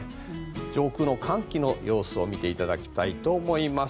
上空の寒気の様子を見ていただきたいと思います。